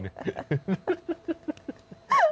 โถ